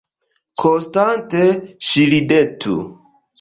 Konstante ŝi ridetu!